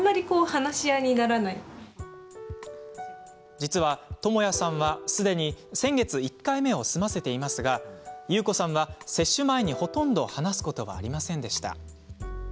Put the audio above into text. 実は、ともやさんはすでに先月１回目を済ませていますがゆうこさんは、接種前にほとんど話すことはありませんでした。